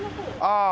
ああ。